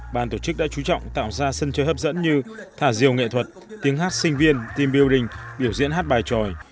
bàn tổ chức đã chú trọng tạo ra sân chơi hấp dẫn như thả diều nghệ thuật tiếng hát sinh viên team building biểu diễn hát bài tròi